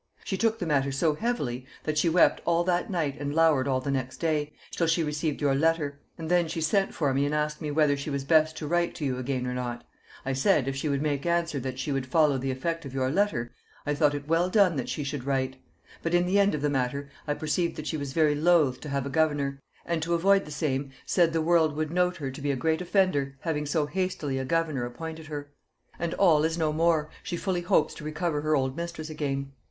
She took the matter so heavily that she wept all that night and lowered all the next day, till she received your letter; and then she sent for me and asked me whether she was best to write to you again or not: I said, if she would make answer that she would follow the effect of your letter, I thought it well done that she should write; but in the end of the matter I perceived that she was very loth to have a governor; and to avoid the same, said the world would note her to be a great offender, having so hastily a governor appointed her. And all is no more, she fully hopes to recover her old mistress again.